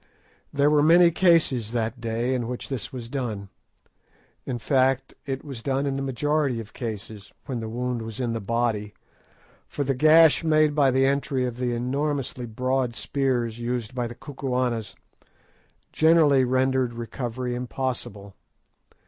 There were many cases that day in which this was done. In fact, it was done in the majority of cases when the wound was in the body, for the gash made by the entry of the enormously broad spears used by the Kukuanas generally rendered recovery impossible.